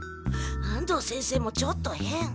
安藤先生もちょっとへん！